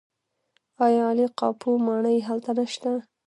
آیا عالي قاپو ماڼۍ هلته نشته؟